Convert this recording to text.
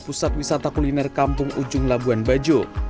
untuk memarketingi labuan bajo